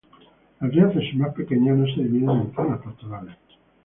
Las diócesis más pequeñas no se dividen en zonas pastorales.